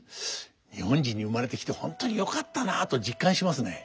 日本人に生まれてきて本当によかったなと実感しますね。